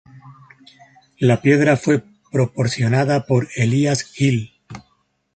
La piedra fue proporcionada por Elias Hill.